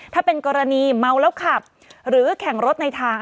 ถ้าเป็นกรณีเมาแล้วขับหรือแข่งรถในทาง